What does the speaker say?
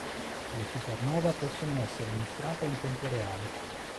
Le supernova possono essere mostrate in tempo reale.